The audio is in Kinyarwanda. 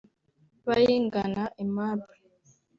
Bayingana Aimable